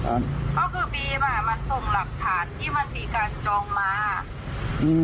เพราะคือบีมมันส่งหลักฐานที่มันมีการจองมา